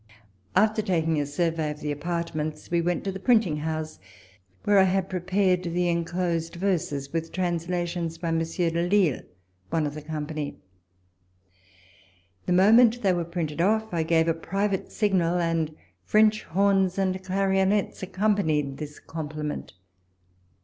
After taking a survey of the apartment, we went to the printing house, where 1 had prepared the enclosed verses, with translations by Monsieur de Lille, one of the company. The moment they were printed off, I gave a private signal, and French horns and clarionets accompanied this compliment.